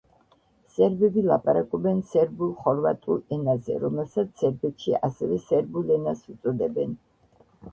სერბები ლაპარაკობენ სერბულ-ხორვატულ ენაზე, რომელსაც სერბეთში ასევე სერბულ ენას უწოდებენ.